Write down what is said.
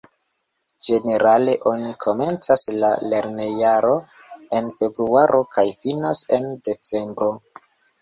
Ĝenerale oni komencas la lernojaro en februaro kaj finas en decembro.